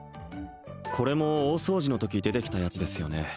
これも大掃除のとき出てきたやつですよね？